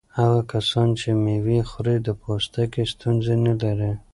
هغه کسان چې مېوه خوري د پوستکي ستونزې نه لري.